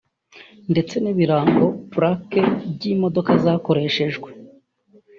ndetse n’ibirango (plaque) by’imodoka zakoreshejwe